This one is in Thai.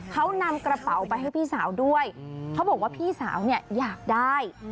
เขานำกระเป๋าไปให้พี่สาวด้วยเขาบอกว่าพี่สาวเนี่ยอยากได้